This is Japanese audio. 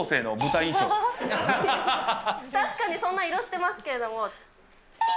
確かにそんな色してますけど。